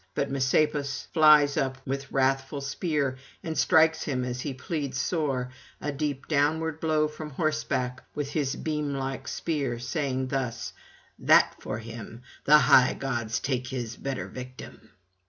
But Messapus flies up with wrathful spear, and strikes him, as he pleads sore, a deep downward [295 330]blow from horseback with his beam like spear, saying thus: _That for him: the high gods take this better victim.